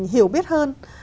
được biết hơn